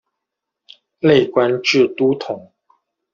累官至都统。